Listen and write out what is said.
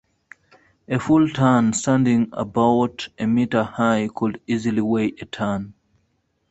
A full tun, standing about a metre high, could easily weigh a tonne.